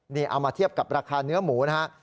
นี่เอามาเทียบกับราคาเนื้อหมูนะฮะ